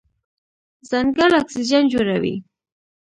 ځنګل اکسیجن جوړوي.